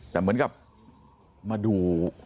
แต่เหมือนกับมาดู